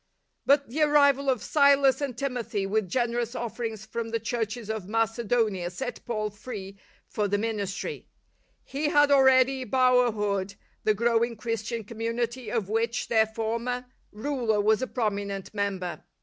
But the arrival of Silas and Timothy with generous offerings from the Churches of Macedonia set Paul free for the ministry. He had already 78 LIFE OF ST. PAUL bourhood the growing Christian community^ of which their former ruler was a prominent member.